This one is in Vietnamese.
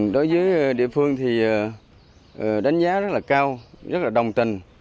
đối với địa phương thì đánh giá rất là cao rất là đồng tình